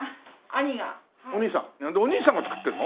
お兄さんが作ってるの？